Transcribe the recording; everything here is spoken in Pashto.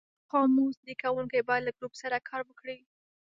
ځکه قاموس لیکونکی باید له ګروپ سره کار وکړي.